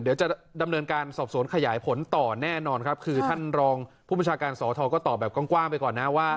เดี๋ยวจะดำเนินการสอบสวนขยายผลต่อแน่นอนครับคือท่านรองผู้บัญชาการสอทอก็ตอบแบบกว้างไปก่อนนะว่า